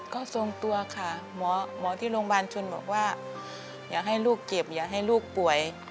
ก็ทรงตัวค่ะหมอที่โรงพยาบาลชนบอกว่าอย่าให้ลูกเจ็บอย่าให้ลูกป่วย